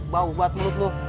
bau banget mulut lo